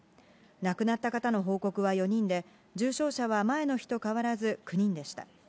亡くなった方の報告は４人で、重症者は前の日と変わらず９人でした。